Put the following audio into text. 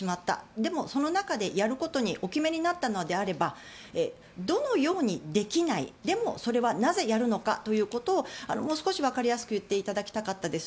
でも、その中でやることにお決めになったのであればどのようにできないでもそれはなぜやるのかというのをもう少しわかりやすく言っていただきたかったです。